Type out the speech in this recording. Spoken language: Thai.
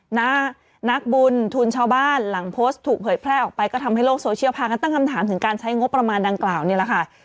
หน้านักบุญทุนชาวบ้านหลังโพสต์ถูกเผยแพร่ออกไปก็ทำให้โลกโซเชียลพากันตั้งคำถามถึงการใช้งบประมาณดังกล่าวนี่แหละค่ะ